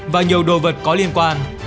và nhiều đồ vật có liên quan